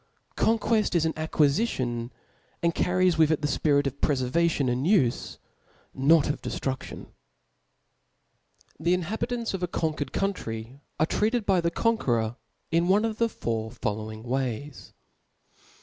GDnijueli is an acquifitiqat and carries with it tb^ fyif}t of pf efervadon and ufe, not of deftru&]on» . The inhabiunts of a conquered pountry are treated by the conqueror one of the four following ways.